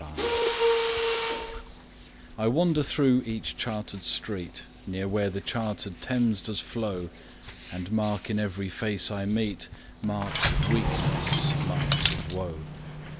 LONDON I wander through each chartered street, Near where the chartered Thames does flow, And mark in every face I meet Marks of weakness, marks of woe.